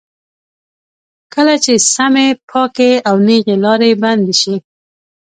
کله چې سمې، پاکې او نېغې لارې بندې شي.